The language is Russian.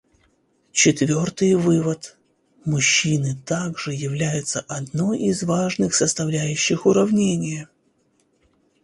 Четвертый вывод: мужчины также являются одной из важных составляющих уравнения.